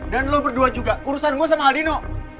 dan lo berdua juga urusan gue sama aldino